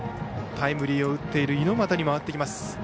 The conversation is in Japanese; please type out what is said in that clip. タイムリーを打っている猪俣に回ってきます。